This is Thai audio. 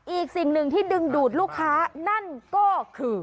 อีกสิ่งหนึ่งที่ดึงดูดลูกค้านั่นก็คือ